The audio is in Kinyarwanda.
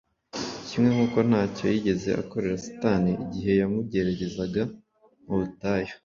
Kimwe n'uko ntacyo yigeze akorera Satani igihe yamugeragezaga mu butayu.